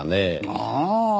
ああ。